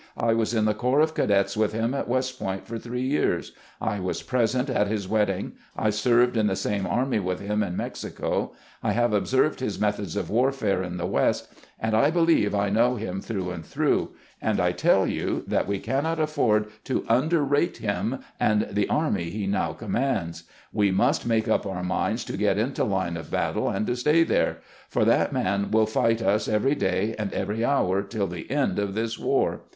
" I was in the corps of cadets With him at West Point for three years, I was present at his wedding, I served in the same army with him in Mexico, I have observed his methods of warfare in the West, and I believe I know him through and through ; and I tell you that we can not afford to underrate him and the army he now com mands. We must make up our minds to get into line of battle and to stay there ; for that man will fight us every day and every hour till the end of this war.